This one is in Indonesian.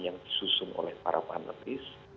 yang disusun oleh para panelis